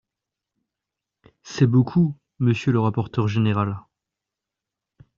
C’est beaucoup, monsieur le rapporteur général.